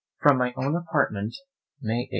From my own Apartment, May 8.